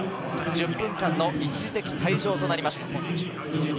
１０分の一時的退場となります。